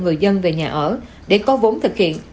người dân về nhà ở để có vốn thực hiện